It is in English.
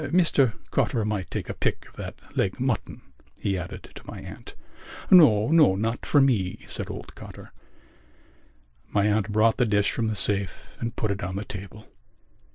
Mr Cotter might take a pick of that leg mutton," he added to my aunt. "No, no, not for me," said old Cotter. My aunt brought the dish from the safe and put it on the table.